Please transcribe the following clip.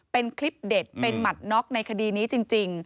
เป็นคลิปเด็ดเป็นหมัดน็อกในคดีนี้จริง